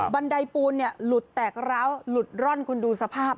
บันไดปูนหลุดแตกร้าวหลุดร่อนคุณดูสภาพ